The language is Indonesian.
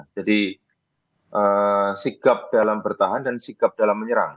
jadi sigap dalam bertahan dan sigap dalam menyerang